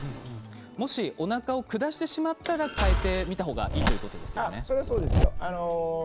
もし、おなかを下してしまったら変えてみた方がいいとそれは、そうですよ。